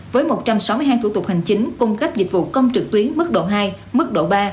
với một trăm sáu mươi hai thủ tục hành chính cung cấp dịch vụ công trực tuyến mức độ hai mức độ ba